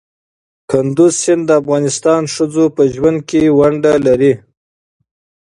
کندز سیند د افغان ښځو په ژوند کې رول لري.